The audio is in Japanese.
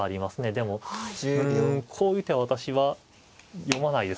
でもうんこういう手は私は読まないですね。